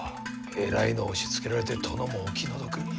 えらいのを押しつけられて殿も、お気の毒に。